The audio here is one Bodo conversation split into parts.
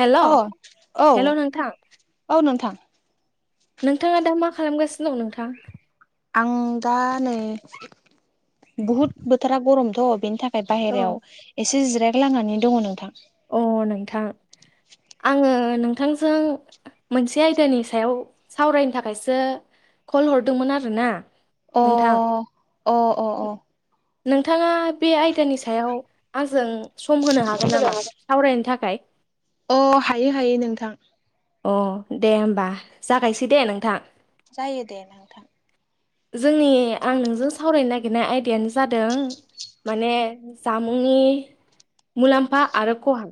हेल' औ औ हेल' नोंथां औ नोंथां। नोंथाङा दा मा खालामगासिनो दं नोंथां? आं दा नै बुहुद बोथोरा गरमथ' बेनि था खाय औ बायेरायाव एसे जिरायगालांनानै दङ नोंथां। अ नोंथां आङो नोंथांजों मोनसे आयदानि सायाव सावरायनो थाखायसो कल हरदोंमोन आरोना। अ नोंथां अ अ अ नोंथाङा बे आयदानि सायाव आंजों सम होनो हागोन नामा सावरायनो थाखाय? अ हायो हायो नोंथां। अ दे होमबा जागायसै दे नोंथां। जायो दे नोंथां। जोंनि आं नोंजों सावरायनो नागिरनाय आयदायानो जादों माने जामुंनि मुलाम्फा आरो खहा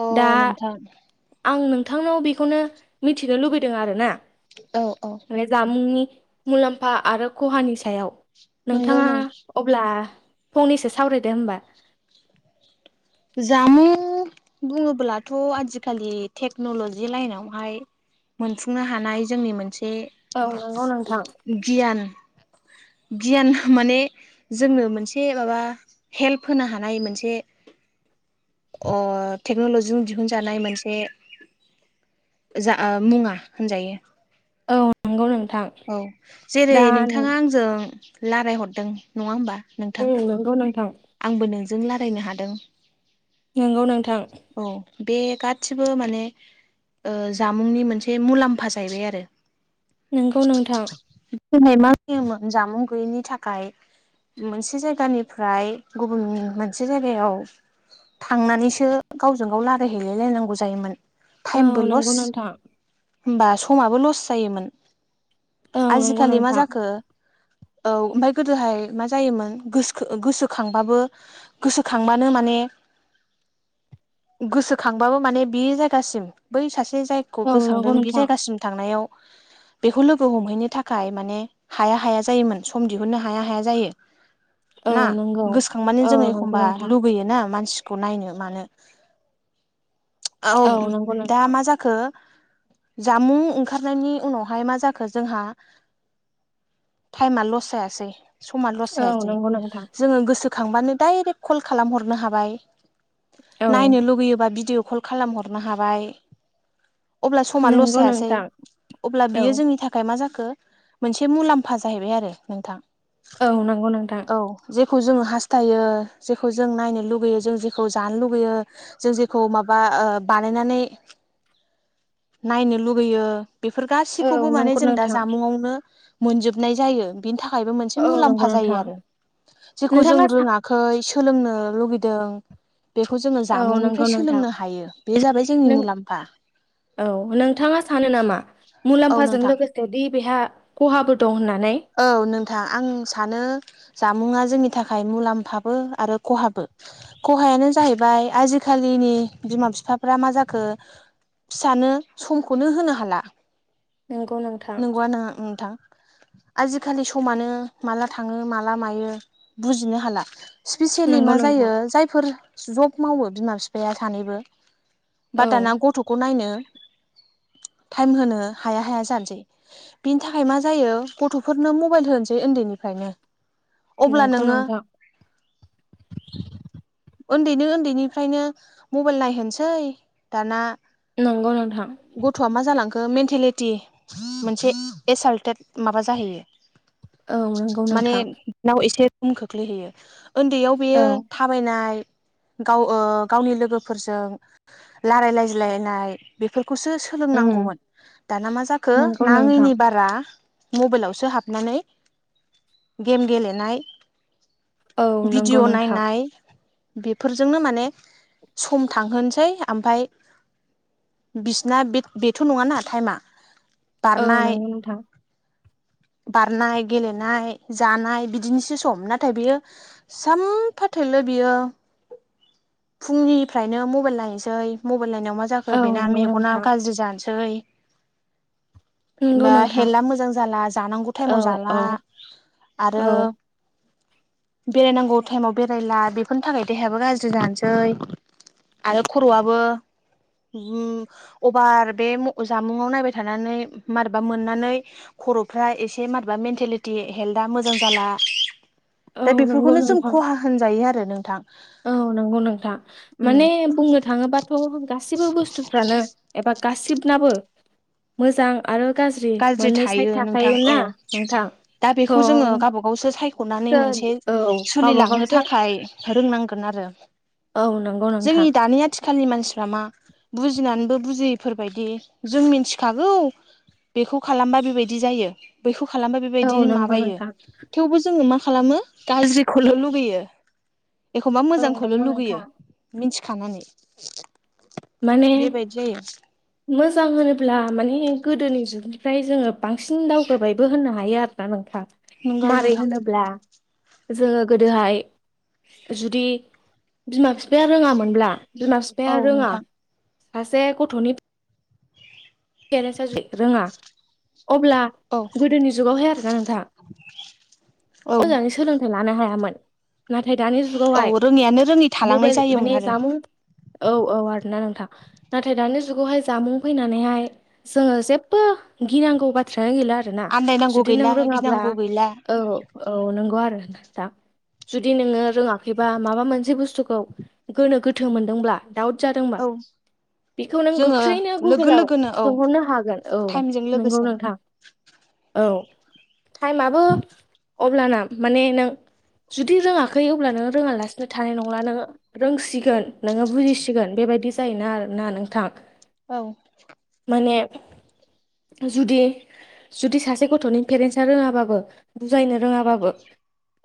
अ दा नोंथां आं नोंथांनाव बेखौनो मिथिनो लुबैदों आरोना। औ औ बे जामुंनि मुलाम्फा आरो खहानि सायाव नंगौ नोंथाङा नों अब्ला फंनैसो सावरायदो होमबा जामुं बुङोब्लाथ' आजिखालि टेक्न'लजि लाइनावहाय मोनफुंनो हानाय जोंनि मोनसे औ नंगौ नोंथां गियान गियान माने जोंनो मोनसे माबा हेल्प होनो हानाय मोनसे अ टेक्न'लजिजों दिहुनजानाय मोनसे जा ओ मुङा होनजायो। औ नंगौ नोंथां। औ जेरै दा नोंथाङा आंजों रायलायहरदों नङा होमबा नोंथां। नोंगौ नोंथां। आंबो नोंजों रायल्लायनो हादों। नंगौ नोंथां। औ बे गासिबो माने ओ जामुंनि मोनसे मुलाम्फा जाहैबाय आरो। नोंगौ नोंथां। गोदोहाय मा होयोमोन जामुं गैयैनि थाखाय मोनसे जायगानिफ्राय गुबुन मोनसे जायगायाव थांनानैसो गावजों गाव रजायहैलाय लायनांगौ जायोमोन। औ टाइमबो नंगौ लस नोंथां होमबा समाबो लस जायोमोन। औ नंगौ आजिखालि मा नोंथां जाखो औ ओमफ्राय गोदोहाय मा जायोमोन गोसख गोसो खांबाबो गोसोखांबानो माने गोसोखांबाबो माने बे जायगासिम बै सासे खौ औ नंगौ गोसांदों बे नोंथां जायगासिम थांनायाव बेखौ लोगो हमहैनो थाखाय माने हाया हाया जायोमोन सम दिहुननो हाया हाया जायो। औ ना नंगौ गोसोखांबानो औ जोङो नंगौ एखमबा नोंथां लुगैयो ना मानसिखौ नायनो मानो। औ नंगौ दा नोंथां मा जाखो? जामुं ओंखारनायनि उनावहाय मा जाखो जोंहा टाइमा लस जायासै समा लस औ जायासै। नंगौ नोंथां। जोङो गोसोखांबानो डाइरेक्ट कल खालामहरनो हाबाय औ नायनो लुुबैयोबा भिडिअ कल खालामहरनो हाबाय। अब्ला समा लस नंगौ जायासै नोंथां अब्ला औ बियो जोंनि थाखाय मा जाखो मोनसे मुलाम्फा जाहैबाय आरो नोंथां। औ नंगौ नोंथां। औ जेखौ जोङो हास्थायो जेखौ जों नायनो लुगैयो जों जेखौ जानो लुगैयो जों जेखौ माबा ओ बानायनानै नायनो लुुबैयो। बेफोर औ गासैखौबो माने नंगौ जों दा नोंथां जामुंआवनो मोनजोबनाय जायो। बिनि थाखायबो मोनसे औ नंगौ मुलाम्फा जायो नोंथां आरो। जेखौ जों नोंथाङा सा रोङाखै सोलोंनो लुुबैदों। बेखौ जोङो औ नंगौ जामुंनिफ्राय नोंथां सोलोंनो हायो बे जाबाय जोंनि नों मुलाम्फा औ नोंथाङा सानो नामा औ मुलाम्फाजों नोंथां लोगो जुदि बेहा खहाबो दं होननानै? औ नोंथां आं सानो जामुङा जोंनि थाखाय मुलाम्फाबो आरो खहाबो। खहायानो जाहैबाय आजिखालिनि बिमा फिफाफ्रा मा जाखो फिसानो समखौनो होनो हाला। नंगौ नों नंगौआ नो- नोंथां आजिखालि समानो माला थाङो माला मायो बुजिनो हाला। स्पिसिलि नंगौ मा जायो नोंथां जायफोर जब मावो बिमा बिफाया सानैबो बा औ दाना गथ'खौ नायनो टाइम होनो हाया हाया जानोसै। बिनि थाखाय मा जायो गथ'फोरनो मबाइल होनोसै उन्दैनिफ्रायनो अब्ला नंगौ नोङो। [inaudible] उन्दैनो उन्दैनिफ्रायनो मबाइल नायहोनसै दाना नंगौ नोंथां। गथ'आ मा जालांखो मेन्टेलिटि मोनसे एसाल्टेट माबा जाहैयो। औ नंगौ माने नोंथां बिनाव एसे गोहोम खोख्लैहैयो उन्दैयाव औ बेयो थाबायनाय गाव ओ गावनि लोगोफोरजों लारायलायज्लायनाय बेफोरखौसो उम सोलोंनांगौमोन दाना मा जाखो नंगौ नोंथां नाङैनि बार फोरा मबाइलावसो हाबनानै गेम गेलेनाय औ नंगौ भिडियअ नोंथां नायनाय बेफोरजोंनो माने सम थांहोनसै ओमफाय। बिसिना बेथ-बेथ' नङाना टाइमा औ बारनाय नंगौ नोंथां बारनाय गेलेनाय जानाय बिदिनिसो सम नाथाय बेयो सामफा थोलो बियो फुंनिफ्रायनो मबाइल नायनोसै मबाइल नायनायाव मा जाखो औ बेना नंगौ मेगना नोंथां गाज्रि जानोसै। नंगौ मा नोंथां हेल्थआ मोजां जाला जानांगौ औ टाइमाव जाला औ आरो [inaudible] बेरायनांगौ टाइमाव बेरायला बेफोरनि थाखाय देहायाबो गाज्रि जानोसै। आरो खर'आबो बु अभार बे म ओ जामुङाव नायबाय थानानै मारबा मोननानै खर'फ्रा एसे मारैबा मेन्टेलिटि हेल्था मोजां जाला औ दा नंगौ बेफोरखौनो जों नोंथां खहा होनजायो आरो नोंथां औ नंगौ नोंथां उम माने बुंनो थाङोबाथ' गासिबो बुस्थुफ्रानो एबा गासिबनाबो मोजां आरो गाज्रि मोननै साइड थायो नोंथां थाखायो औ ना नोंथां दा थ' बेखौ जोङो गाबा गावसो सायख'नानै मोनसे औ गावबा सोलिलांनो गावसो थाखाय रोंनांगोन आरो औ नंगौ नोंथां जोंनि दानि आथिख खालनि मानसिफ्रा मा बुजिनानैबो बुजियैफोर बायदि जों मिथिखागौ बेखौ खालामबा बेबायदि जायो बैखौ खालामबा औ बेबायदि नंगौ माबायो नोंथां थेवबो जोङो मा खालामो गाज्रिखौल' लुुगैयो एखमबा औ मोजांखौल' नंगौ लुगैयो नोंथां मिनथिखानानै माने मोजां होनोब्ला माने गोदोनि जुगनिफ्राय जोङो बांसिन दावगाबायबो होननो हायो आरोना नोंथां नंगौ मारै नोंथां होनोब्ला जोङो गोदोहाय जुदि बिमा फिफाया रोङामोनब्ला बिमा बिफाया औ रोङा नोंथां सासे गथ'नि पेरेन्सा जुदि रोङा अब्ला औ गोदोनि जुगावहाय आरोना नोंथां औ मोजाङै सोलों थाय लानो हायामोन नाथाय दानि औ जुगावहाय रोङैयानो रोङै थालांनाय मबाइल जायोमोन माने आरो जामुं औ औ आरोना नोंथां नाथाय दानि जुगावहाय जामबुं फैनानैहाय जोङो जेबबो गिनांगौ बाथ्रायानो गैला आरोना आन्दायनांगौ जुदि नों गैला रोङाब्ला गिनांगौ गैला औ औ नंगौ आरो दा जुदि नोङो रोङाखैबा माबा मोनसे बुस्थुखौ गोनो गोथो मोनदोंब्ला दाउट जादोंबा औ बेखौ नों जोङो गोख्रैनो लोगो गुगोलाव लोगोनो औ सोंहरनो हागोन औ टाइमजों नंगौ लोगोसेनो नोंथां औ टाइमआबो अब्लाना माने नों जुदि रोङाखै अब्ला नोङो रोङालासिनो थानाय नंला नोङो रोंसिगोन नोङो बुजिसिगोन बेबायदि जायोना आरोना नोंथां औ माने जुदि जुदि सासे गथ'नि पेरेन्टसा रोङाबाबो बुजायनो रोङाबाबो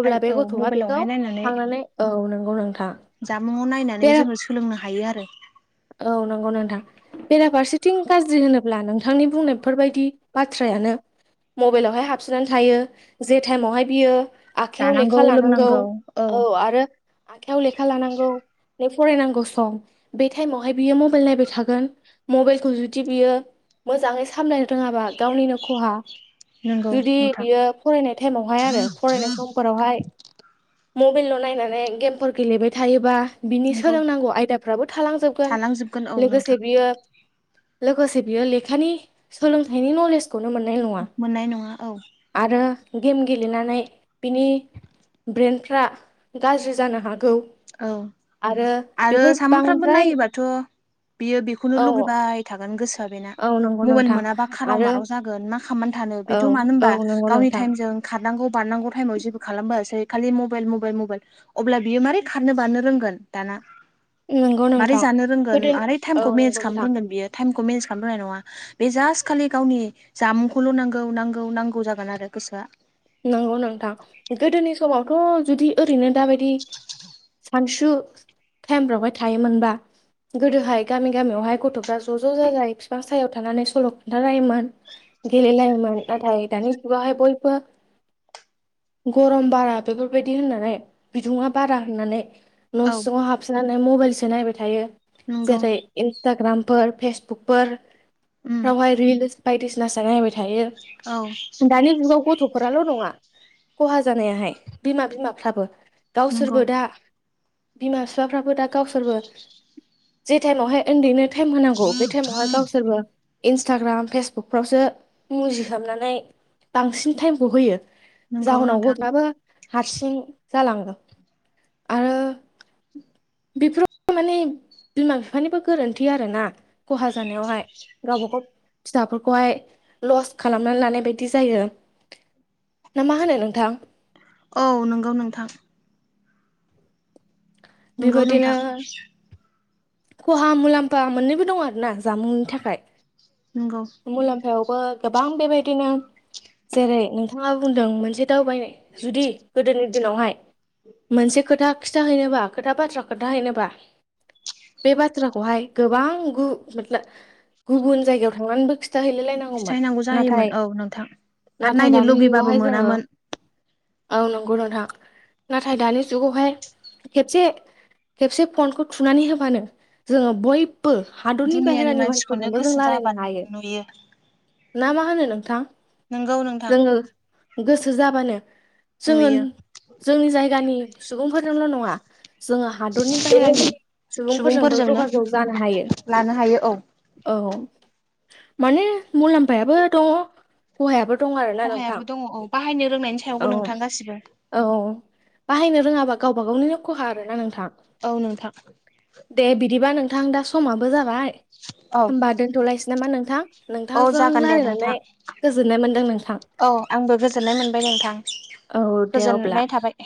अब्ला बे औ गथ'आ बेखौ मबाइलावहाय नायनानै थांनानै औ नंगौ नोंथा जामुङाव नायनानै जोङो सोलोंनो हायो आरो औ नंगौ नोंथां बेराफारसेथिं गाज्रि होनोब्ला नोंथांनि बुंनायफोरबायदि बाथ्रायानो मबाइलावहाय हाबसोनानै थायो जे टाइमावहाय बियो आखायाव जानांगौ लेखा लानांगौ लोंनांगौ औ आरो आखायाव लेखा लानांगौ न फरायनांगौ सम बे टाइमावहाय बियो मबाइल नायबाय थागोन मबाइलखौ जुदि बियो मोजाङै सामलायनो रोङाबा गावनिनो खहा नंगौ जुदि नोंथां बियो फरायनाय टाइमावहाय आरो फरायनाय समाव फोरावहाय मबाइलल' नायनानै गेमफोर गेलेबाय थायोबा बिनि नंगौ सोलोंनांगौ आयदाफ्राबो थालांजोबगोन औ लोगोसे नोंथां बियो लोगोसे बियो लेखानि सोलोंथाइनि नलेजखौनो मोननाय नङा मोननाय नङा औ आरो गेम गेलेनानै बिनि ब्रेन्डफ्रा गाज्रि जानो हागौ औ आरो आरो बेफोर सामफ्रोमबो बांद्राय नायोबाथ' बियो बेखौनो औ लुगैबाय थागोन गोसोआ बेना औ नंगौ मबाइल नोंथां मोनाबा खाराव आरो माराव जागोन गोन मा खालामनानै थानो औ बेथ' मानो औ होनबा नंगौ गावनि नोंथां थाइमजों खारनांगौ बारनांगौ थाइमाव जेबो खालामबोआसै खालि मबाइल मबाइल मबाइल अब्ला बियो मारै खारनो बानो रोंगोन दाना नंगौ मारै नोंथां जानो रोंगोन गोदो मारै औ टाइमखौ मेनेज नंगौ खालामनो नोंथां रोंगोन बियो टाइमखौ मेनेज खालाम रोंनाय नङा। बे जास्ट खालि गावनि जामुंखौल' नांगौ नांगौ नांगौ जागोन आरो गोसोआ। नंगौ नोंथां गोदोनि समावथ' जुदि ओरैनो दाबायदि सानसु टाइमफ्रावाय थायोमोनबा गोदोहाय गामि गामियावहाय गथ'फ्रा ज' ज' जाजाय बिफां सायायाव थानानै सल' खोन्थालायोमोन। गेलेलायोमोन नाथाय दानि जुगाव हाय बयबो गरम बारा बेफोरबायदि होननानै बिदुुं बारा होननानै न' औ सिङाव हाब सोनानै मबाइलसो नायबाय थायो नंगौ जेरै इन्सटाग्रामफोर फेसबुकफोर उम आवहाय रिल्स बायदिसिना सो नायबाय थायो औ दानि जुगाव गथ' फोराल' नङा खहा जानायाहाय बिमा बिमाफ्राबो नंगौ गावसोरबो दा बिमा बिफाफ्राबो दा गावसोरबो जे ठाइमावहाय उन्दैनो टाइम होनांगौ बे टाइमावहाय गावसोरबो इन्सटाग्राम फेसबुकफ्रावसो मुजि हाबनानै बांसिन टाइमखौ होयो। नंगौ जाउनाव नोंथां बयहाबो हारसिं जालाङो आरो बेफोराव माने बिमा बिफानिबो गोरोन्थि आरोना खहा जानायावहाय गावबागाव फिसाफोरखौहाय लस खालामनानै लानाय बायदि जायो। ना मा होनो नोंथां? औ नोंगौ नोंथां। नंगौ बेबादिनो नोंथां खहा मुलाम्फा मोननैबो दं आरो ना जामुंनि थाखाय। नंगौ। मुलाम्फायावबो गोबां बेबायदिनो जेरै नोंथाङा बुंदों मोनसे दावबायनाय जुदि गोदोनि दिनावहाय मोनसे खोथा खिथााहैनोबा खोथा बाथ्रा खोनाथाहैनोबा बे बाथ्राखौहाय गोबां गु गुबुन जायगायाव थांनानैबो खि खिथाहैलाय लायनांगौमोन खिथाहैनांगौ जायोमोन नाथाय औ नोंथां आरो नाथाय नायनो दानि लुगैबाबो जुगावहाय जोङो मोनामोन औ नंगौ नोंथां नाथाय दानि जुगावहाय खेबसे खेबसे फनखौ थुनानै होबानो जोङो बय बो हादरनि दुनियानि बाहेरानि मानसिखौनो मानसिफोरजोंबो जों गोसो रायलायनो जाबानो हायो। नुयो ना मा होनो नोंथां नोंगौ नोंथां जोङो गोसो जाबानो जोङो नुयो जोंनि जायगानि सुबुंफोरजोंल' नङा जोङो हादरनि बाहेरानि सुबुंफोरजोंबो सुबुंफोरजोंनो जगाजग जानो हायो। लानो हायो औ औ माने मुलाम्फायाबो दङ। खहायाबो दं आरोना नोंथां खहायाबो दङ औ बाहायनो रोंनायनि सायावबो औ। नोंथां गासिबो औ बाहायनो रोङाबा गावबा गावनिनो खहा आरोना नोंथां। औ नोंथां। दे बिदिबा नोंथां दा समाबो जाबाय औ होमबा दोनथ'लायसै नामा नोंथां? औ नोंथांजों जागोन दे रायज्लायनानै नोंथां गोजोननाय मोनदों नोंथां। औ आंबो गोजोननाय मोनबाय नोंथां औ दे अब्ला गोजोननाय थाबाय।